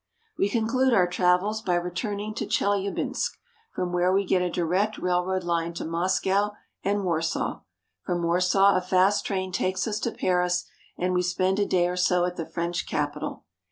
We conclude our travels by returning to Chelyabinsk, from where we get a direct railroad line to Moscow and Warsaw. From Warsaw a fast train takes us to Paris, and we spend a day or so at the French capital.